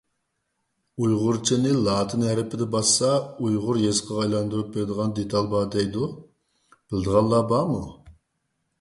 ئۇيغۇرچىنى لاتىن ھەرپىدە باسسا ئۇيغۇر يېزىقىغا ئايلاندۇرۇپ بېرىدىغان دېتال بار دەيدۇ؟ بىلىدىغانلار بارمۇ؟